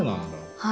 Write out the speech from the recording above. はい。